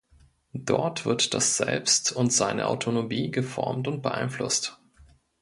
Dort wird das Selbst und seine Autonomie geformt und beeinflusst.